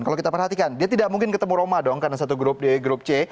kalau kita perhatikan dia tidak mungkin ketemu roma dong karena satu grup di grup c